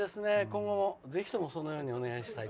今後も、ぜひともそのようにお願いしたい。